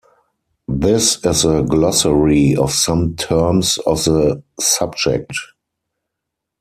This is a glossary of some terms of the subject.